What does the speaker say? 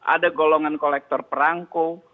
ada golongan kolektor perangkul